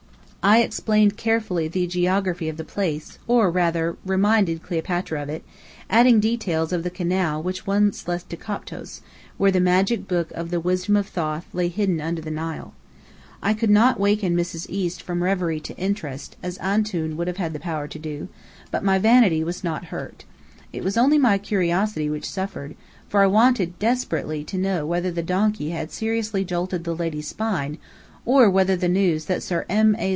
I explained carefully the geography of the place, or rather, "reminded" Cleopatra of it, adding details of the canal which once led to Koptos, where the magic book of the Wisdom of Thoth lay hidden under the Nile. I could not waken Mrs. East from reverie to interest, as Antoun would have had the power to do; but my vanity was not hurt. It was only my curiosity which suffered, for I wanted desperately to know whether the donkey had seriously jolted the lady's spine, or whether the news that Sir M. A.